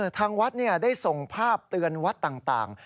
ทางวัดได้ส่งภาพเตือนวัดต่าง